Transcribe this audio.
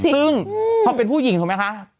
ซึ่งพอเป็นผู้หญิงถูกไหมคะ